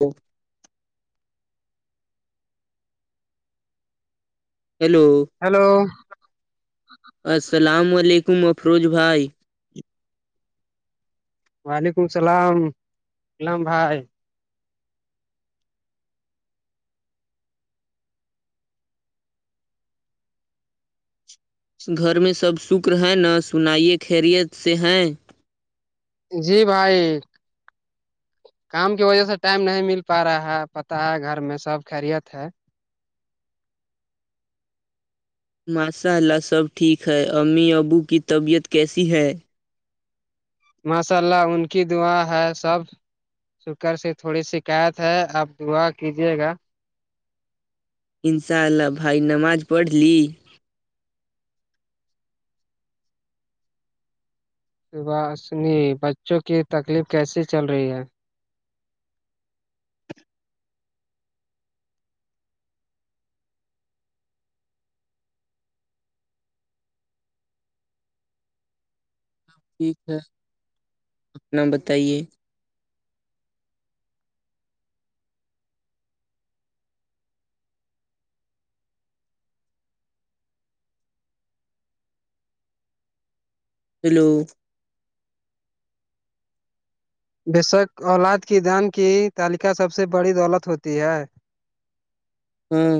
او hello hello السلام علیکم افروج بھائی وعلیکم السلام کلام بھائی اس گھر میں سب شکر ہیں نہ سنائے خیریت سے ہیں جی بھائی کام کی وجہ سے ٹائم نہیں مل پا رہا ہے پتاہ ہے گھر میں سب خیریت ہے ماشاء اللہ سب ٹھیک ہے امی ابو کی طبیعت کیسی ہے ماشاء اللہ ان کی دعا ہے سب شکر سے تھوڑی شکایت ہے آپ دعا کیجیے گا انشاء اللہ بھائی نماز پڑھ لی ب سنی بچوں کی تکلیف کیسی چل رہی ہے ٹھیک ہے اپنا بتائیے ہیلو بےشک اولاد کی دان کی تالکہ سب سے بڑی دولت ہوتی ہے ہوں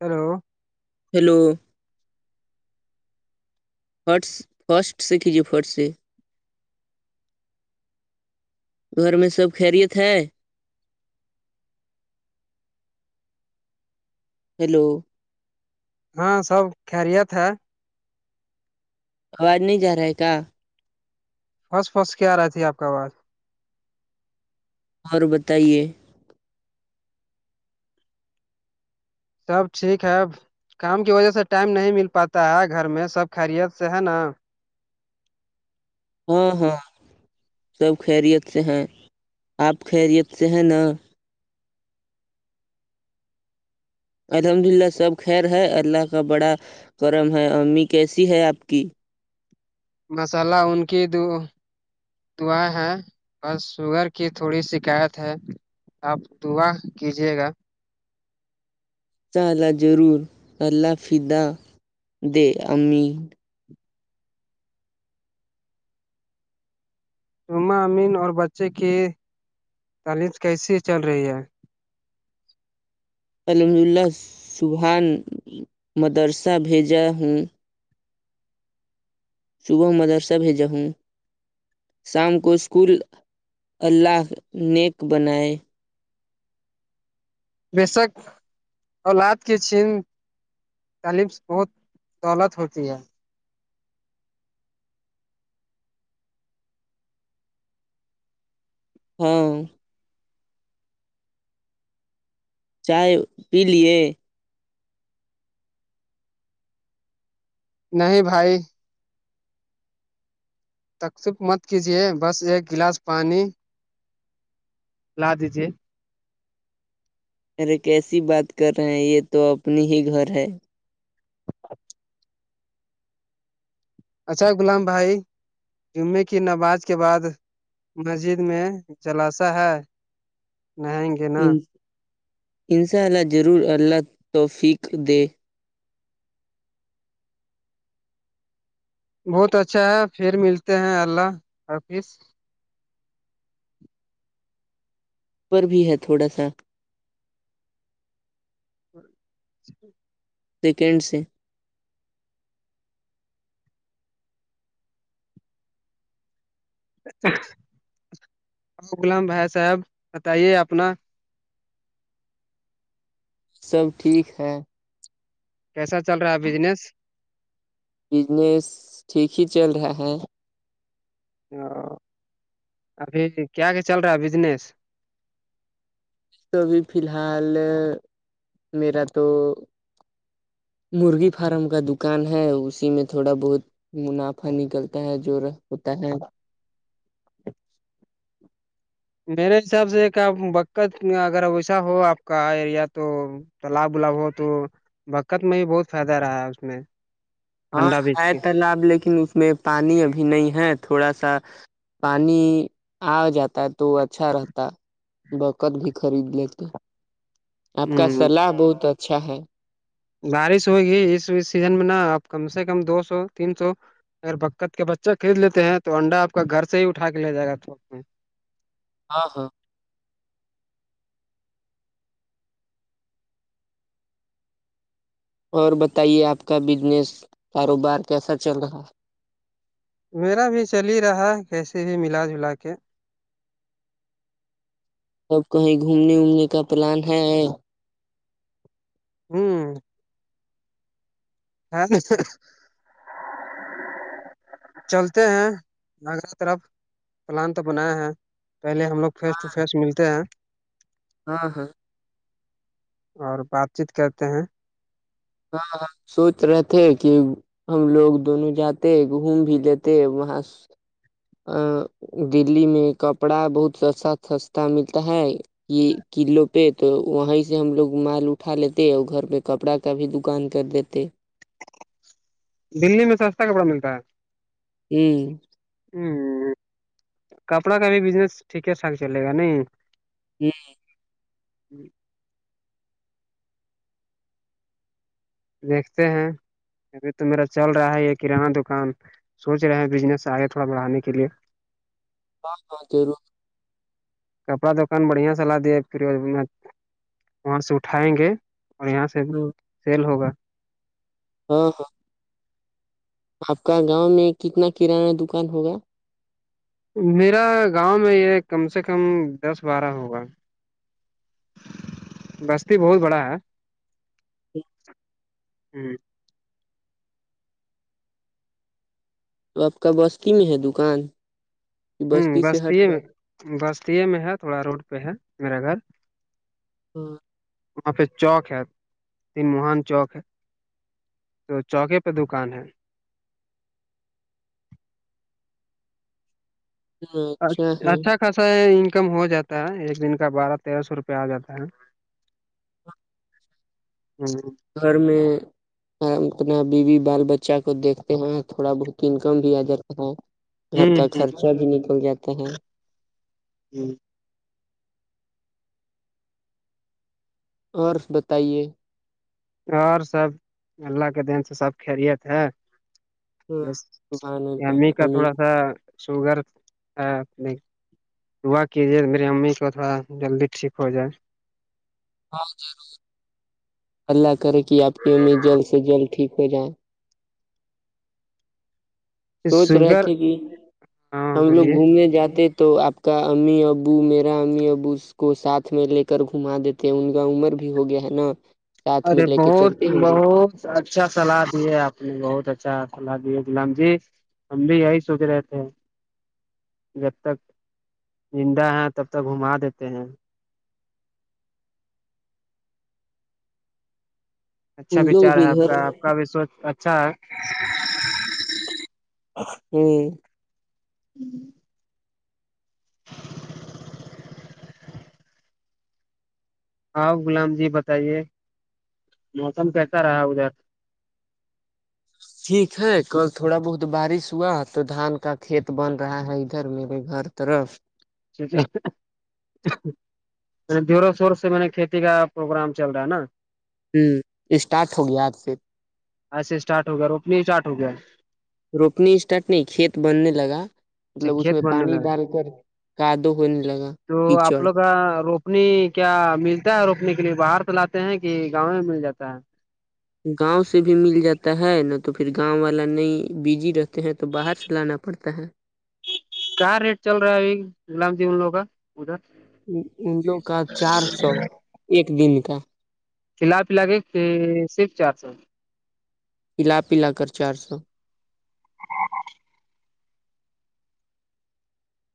ہیلو ہیلو فرس فاسٹ سھھیجے فرٹ سے گھر میں سب خیریت ہے ہیلو ہاں سب خریت ہے آواز نہیں جا رہا ہے کیا بس بس کیا آ رہا تھی آ کا آواز اور بتائیے سب ٹھیک ہے کام کی وجہ سے ٹائم نہیں مل پاتا ہے گھر میں سب خیریت سے ہے نا ہاں ہاں سب خیریت سے ہیں آپ خیریت سے ہیں نا الحمد للہ سب خیر ہے اللہ کا بڑا کرم ہے امی کیسی ہے آپ کی مسالا ان کی دو دعا ہے بس شوگر کی تھوڑی شکایت ہے آپ دعا کیجیے گا چال ضرور اللہ فدہ دے امی مہ امین اور بچے کی تلیم کیسی چل رہی ہے الحمد للہ سبحان مدرسہ بھیجا ہوں صبح مدرسہ ہے جہوں شام کو اسکول اللہ نیک بنائے بشک اولاد کے چھین تعلیم بہت دولت ہوتی ہے ہاں چائے پی لیے نہیں بھائی تقسف مت کیجے بس ایک گلاس پانی لا دیجے ارے کیسی بات کر رہے ہیں یہ تو اپنی ہی گھر ہے اچھا غلام بھائی جمعے کی نماز کے بعد مسجد میں جلاسا ہے نہیں ان ان شاء اللہ ضرور اللہ توفق دے بہت اچھا ہے پھر ملتے ہیں اللہ حافظ پر بھی ہے تھوڑا سا [inaudible] سیکنڈ سے غلام بھائی صاحب بتائیے اپنا سب ٹھیک ہے کیسا چل رہا ہے بزنس بجنس ٹھیک ہی چل رہا ہے او ابھی کیا کیا چل رہا ہے بجنس تو ابھی فی الحال میرا تو مرغی فارم کا دکان ہے اسی میں تھوڑا بہت منافع نکلتا ہے جو ہوتا ہے میرے حساب سے بکت اگر ویسا ہو آپ کا ایریا تو تالاب ولاب ہو تو بکت میں بھی بہت فائدہ رہا ہے اس میں ہاں انڈا بیچ ہے کے تالاب لیکن اس میں پانی ابھی نہیں ہے تھوڑا سا پانی آ جاتا ہے تو اچھا رہتا بکر بھی خرید لیتے آپ کا ہ صلاح بہت اچھا ہے بارش ہوئے گی اس سیزن میں نا اپ کم سے کم دو سو تین سو اگر بکت کے بچہ خرید لیتے ہیں تو انڈا آپ کا گھر سے ہی اٹا کے لے جائے گا تھوک میں ہاں ہاں اور بتائیے آپ کا بزنس کاروبار کیسا چل رہا ہے میرا بھی چل ہی رہا ہے کیسے بھی ملا جلا کے سب کہیں گھومنے وومنے کا پلان ہے ہمم ہاں چلتے ہیں نگرگر طرف پلان تو بنایا ہیں پہلے ہم لوگ فیس ٹو فیس ملتے ہیں ہاں ہاں اور بات چیت کرتے ہیں ہاں ہاں سوچ رہے تھے کہ ہم لوگ دونوں جاتے ہیں گھوم بھی لیتے وہاں ا دللی میں کپڑا بہت سستا سستا ملتا ہے یہ قلوں پہ تو وہیں سے ہم لوگ مال اٹھا لیتے ہیں اور گھر پہ کپڑا تبھی دکان کر دیتے دلی میں سستا کپڑا ملتا ہے ہمم ہمم کپڑا کا بھی بزنس ٹھیک ٹھاک چلے گا نہیں ہمم دیکھتے ہیں ابھی تو میرا چل رہا ہے یہ کررانہ دکان سوچ رہے ہیں بزنس آگے تھوڑا بڑھانے کے لیے ہاں ہاں ضرور کپڑا دکان بڑھیا س ل دیا پھر وہاں سے اٹھائیں گے اور یہاں سے ہوں، سیل ہوگا ہاں ہاں آپ کا گاؤں میں کتنا کررانہ دکان ہوگا میرا گاؤں میں یہ کم سے کم دس بارہ ہوگا بستی بہت بڑا ہے ہ [unintelligible] تو آپ کا بستی میں ہے دکان کہ ہوں بستی سے ہٹ بستیے کر میں بستیے میں ہے تھوڑا روڈ پہ ہے میرا گھر ہاں [unintelligible] وہاں پہ چوک ہے تین مہان چوک ہے تو چوکے پہ دکان ہے اچھا ہے اچھا خاصا انکم ہو جاتا ہے ایک دن کا بارہ تیرہ سو روپے آ جاتا ہے ہوں [unintelligible] گھر میں اپنا بیوی بال بچہ کو دیکھتے ہیں تھوڑا بہت انکم بھی آ جاتا ہے گھر کا خرچہ بھی نکل جاتا ہے ہی [unintelligible] اور بتائیے اور سب اللہ کے دین سے سب خیریت ہے بس سبحان می اللہ کا تھوڑا امین سا شوگر ہے وا کیجیے میری امی کو تھوڑا جلدی ٹھیک ہو جائے ہاں ضرور اللہ کرے کہ آپ کی امی جلد سے جلد ٹھیک ہو جائےیں سوچ رہے شوگر تھے کہ ہاں ہم لوگ بولیے گھومنے جاتے تو آپ کا امی ابو میرا امی ابو اس کو سھ میں لے کر گھما دیتے ان کا عمر ہو گیا ہے نا ساتھ میں ارے لے کے بہت چلتے ہوں گے بہت اچھا سلاح دی ہے آپ نے بہت اچھا سلاح دی ہے غلام جی ہم بھی یہی سوچ رہے تھے جب تک زندہ ہے تب تک گھما دیتے ہیں اچھا ان لوگ وچار ہے بھی آپ کا گھر آپ کا بھی سوچ اچھا ہے [unintelligible] ہوں [unintelligible] ہوں [unintelligible] آپ غلام جی بتائیے موسم کیسا رہا ادھر ٹھیک ہے کل تھوڑا بہت بارش ہوا تو دھان کا کھیت بن رہا ہے ادھر میرے گھر طرف [unintelligible] [unintelligible] ٹیک ہے دورو سور سے میں نے کھیتی کا پروگرام چل رہا ہے نا ہوں اسٹارٹ ہو گیا آج سے ایسے اسٹارٹ ہو گیا روپنی اسٹارٹ ہو گیا روپنی اسٹارٹ نہیں کھیت بننے لگا اچھا مطلب اس میں کھیت بننے پانی لگا ڈال کر کاادو ہونے لگا کیچڑ اپنی کیا ملتا ہے روکنے کے لیے باہر تولاتے ہیں کہ گاؤں میں مل جاتا ہے گاؤں سے بھی مل جاتا ہے نہ تو پھر گاؤں والا نہیں بزی رہتے ہیں تو باہر سے لانا پڑتا ہے کیا ریٹ چل رہا ہے ابھی گام ج لوگ کا ادھر [unintelligible] ان لوگ کا چار سو ایک دن کا کلاف لگے کہ صرف چار سو پلا پلا کر چار سو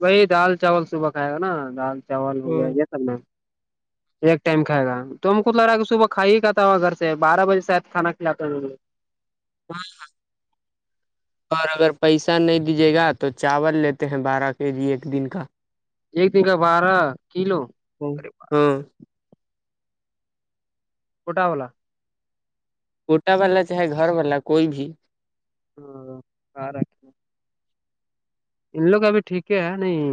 وہی دال چاول صبح کھائے گا نا دال چاول و یہ سب میں ایک ٹائم کھائے گا توم خود لگ رہا کہ صبح کھائی ہی کاتا ہوا گھر سے بارہ بجے شاید کھانا کھاتےے ہاں ہاں [unintelligible] اور اگر پیسہ نہیں دیجیے گا تو چاول لیتے ہیں بارہ کے جی ایک دن کا ایک دن کا بارہ کلو ہاں کوٹا والا [unintelligible] کوٹا والا چاہے گھر والا کوئی بھی [unintelligible] ہ آ را کیا [unintelligible] ان لوگ ابھی ٹھیک ہے نہیں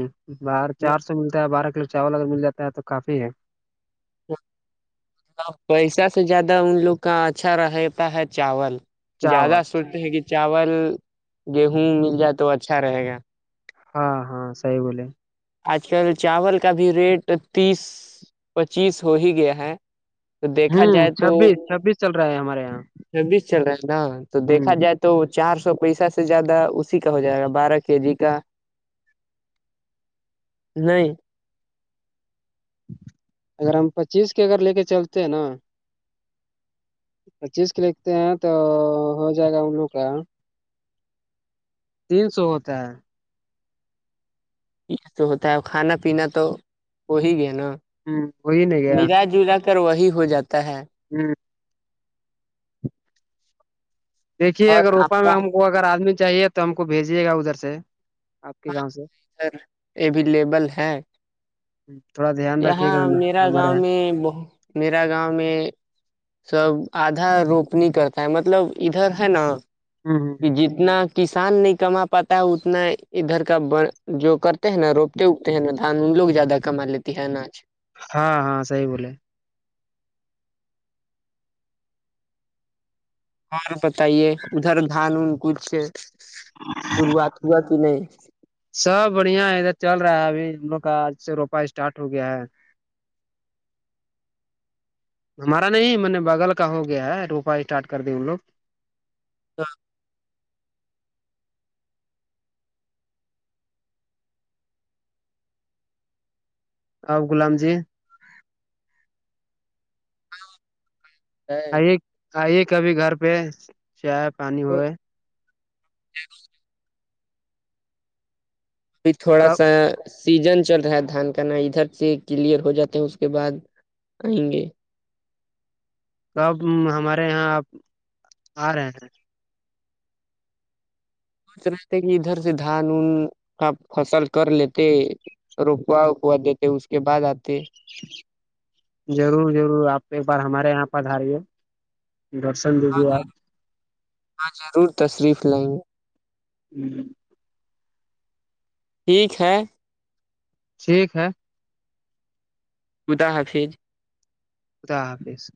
بار چار سو ملتا ہے بارہ کلو چاول اگر مل جاتا ہے تو کافی ہے مطلب پیسہ سے زیادہ ان لوگ کا اچھا رہتا ہے چاول زیادہ چاول سوتے ہیں کہ چاول گیہوں مل جائے تو اچھا رہے گا ہاں ہاں صحیح بولے آج کل چاول کا بھی ریٹ تیس پچیس ہو ہی گیا ہے تو دیکھا ہوں جائے تو چھبیس چھبیس چل رہا ہے ہمارے یہاں چھبیس چل رہا ہے نا تو دیکا ہوں جائے تو چار سو پیسہ سے زیادہ اسی کا ہو جائے گا بارہ کے جی کا نہیں اگر ہم پچیس کے اگر لے کے چلتے ہیں نا پچیس کو لیکھتے ہیں تو ہو جائے گا ان لووں کا تین سو ہوتا ہے ہوتا ہے کھانا پینا تو ہو ہی گیا نا ہ وہی نہیں گیا ملا جلا ر وہی ہو جاتا ہے [unintelligible] جی [unintelligible] دیکھیے اور اگر آپ روپا میں کا ہم کو اگر آدمی چاہیے تو ہم کو بھیجیے گا ادھر سے آپ کے ہاں گاؤں سے سر اویلیبل ہے تھوڑا دھیان رکھیے یہاں گا ہم میرا ہمارے گاؤں میں بہت میرا گاؤں میں سب آدھا روپنی کرتا ہے مطلب ادھر ہے نا ہاں ہاں کہ جتنا کسان نہیں کما پاتا اتنا ادھر کا ب جو کر [unintelligible] تے ہیں نا روپتے اتے ہیں نا دان ان لوگ زیادہ کما لیتے ہے اناج ہاں ہاں صحی بولے اور بتائیے ادھر دھان ان کچھ شروعات ہوا کہ نہیں سب بڑھیا ہے ادھر چل رہا ہے ابھی ہم لو کا آج سے روپ اسٹارٹ ہو گیا ہے [inaudible] ہمارا نہیں میں نے بغل کا ہو گیا ہے روپا اسٹارٹ کر دی ان لوگ ہاں [unintelligible] اب غلام جی ہے آئیے آئیے کبھی گھر پہ چائے پانی ہوئے [unintelligible] ا تھوڑا سا [unintelligible] سیزن چل رہا ہے دھان کا ن ادھر سے کلیئر ہو جاتے ہیں اس کے بعد آئیں گے [unintelligible] کب ہمارے یہاں آپ آ رہے ہیں سوچ رہتے کہ ادھر سے دھان ان کا فصل کر لیتے کا کوا دیتے اس کے بعد آتے [unintelligible] ضرور ضرور آپ ایک بار ہمارے یہاں پر آ رہیےدر [unintelligible] ہاں ہاں ضرور تشریف لیں گے ہوںوں [unintelligible] ٹھیک ہے ٹھیک ہے خدا حفظ [unintelligible] خدا حافظ